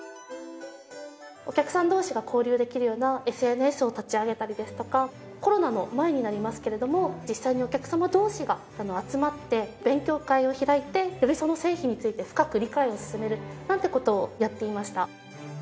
お客さん同士が交流できるようなＳＮＳを立ち上げたりですとかコロナの前になりますけれども実際にお客様同士が集まって勉強会を開いてよりその製品について深く理解を進めるなんて事をやっていました。